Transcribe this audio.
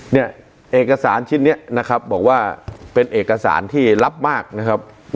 เนี่ยเอกสารชิ้นนี้นะครับบอกว่าเป็นเอกสารที่รับมากนะครับ